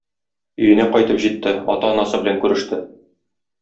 Өенә кайтып җитте, ата-анасы белән күреште.